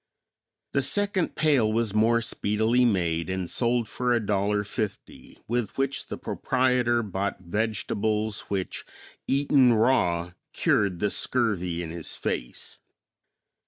The second pail was more speedily made and sold for $1.50 with which the proprietor bought vegetables which eaten raw cured the scurvy in his face.